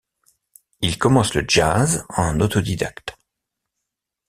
Il commence le jazz en autodidacte.